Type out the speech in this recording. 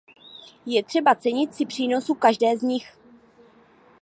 Je třeba cenit si přínosu každé z nich.